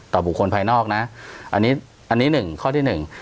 ต่อบุคคลภายนอกนะอันนี้หนึ่งข้อที่หนึ่ง